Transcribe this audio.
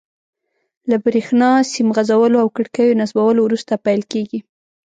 له بریښنا سیم غځولو او کړکیو نصبولو وروسته پیل کیږي.